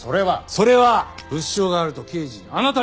それは物証があると刑事にあなたに言われたから。